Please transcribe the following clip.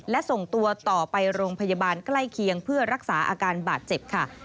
และส่งตัวต่อไปโรงพยาบาลใกล้เคียงเพื่อรักษาอาการบาดเจ็บค่ะ